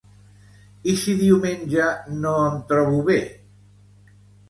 I si diumenge no em trobo bé?